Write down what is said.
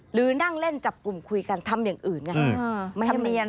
หรือนั่งเล่นจับกลุ่มคุยกันทำอย่างอื่นไง